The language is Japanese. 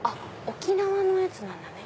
沖縄のやつなんだね。